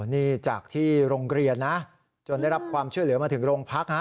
นี่จากที่โรงเรียนนะจนได้รับความช่วยเหลือมาถึงโรงพักฮะ